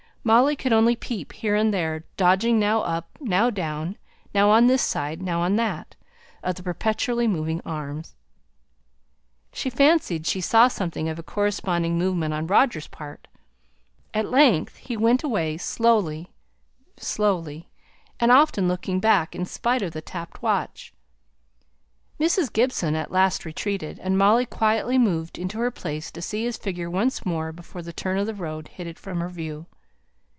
Molly could only peep here and there, dodging now up, now down, now on this side, now on that, of the perpetually moving arms. She fancied she saw something of a corresponding movement on Roger's part. At length he went away slowly, slowly, and often looking back, in spite of the tapped watch. Mrs. Gibson at last retreated, and Molly quietly moved into her place to see his figure once more before the turn of the road hid it from her view.